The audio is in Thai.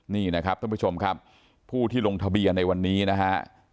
นี่นะครับท่านผู้ที่ลงทะเบียนในวันนี้นะฮะ